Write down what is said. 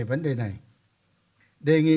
vấn đề này đề nghị